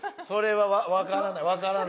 それは分からん。